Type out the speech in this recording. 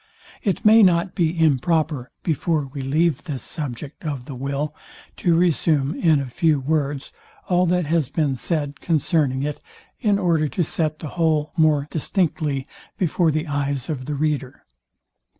It may not be improper, before we leave this subject of the will, to resume, in a few words, all that has been said concerning it, in order to set the whole more distinctly before the eyes of the reader.